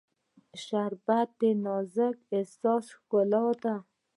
شربت د نازک احساس ښکلا ده